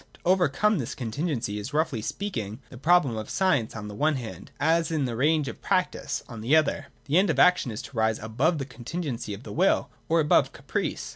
To over come this contingency is, roughly speaking, the problem of science on the one hand ; as in the range of practice, on the other, the end of action is to rise above the contingency of the will, or above caprice.